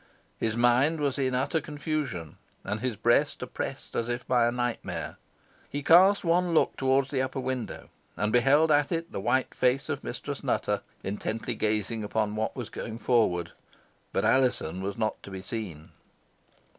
His mind was in utter confusion, and his breast oppressed as if by a nightmare. He cast one look towards the upper window, and beheld at it the white face of Mistress Nutter, intently gazing at what was going forward, but Alizon was not to be seen.